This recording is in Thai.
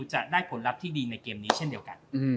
จะได้ผลลัพธ์ที่ดีในเกมนี้เช่นเดียวกัน